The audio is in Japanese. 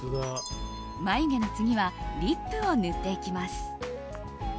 眉毛の次はリップを塗っていきます。